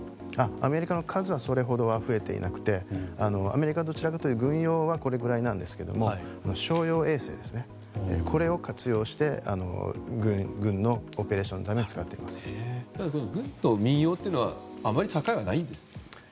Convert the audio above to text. アメリカの数はそれほどは増えていなくてアメリカは、どちらかというと軍用はこれくらいなんですけども商用衛星を活用して軍のオペレーションのために軍と民用というのはあまり境がないんですか？